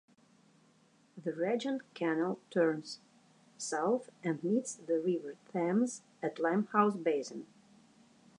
The Regent canal turns south, and meets the River Thames at Limehouse Basin.